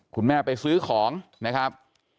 คุณแม่ไปซื้อของนะครับ